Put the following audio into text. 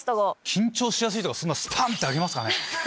緊張しやすい人がスパンって挙げますかね。